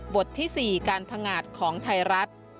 บทที่๔การพังอาจของไทรรัฐ